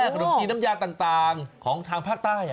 ขนมจีนน้ำยาต่างของทางภาคใต้